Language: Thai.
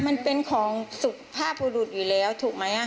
มันเป็นของสุภาพบุรุษอยู่แล้วถูกไหม